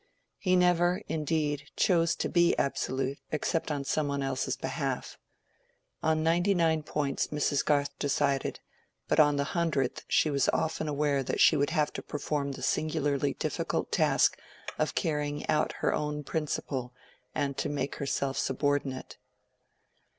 He never, indeed, chose to be absolute except on some one else's behalf. On ninety nine points Mrs. Garth decided, but on the hundredth she was often aware that she would have to perform the singularly difficult task of carrying out her own principle, and to make herself subordinate.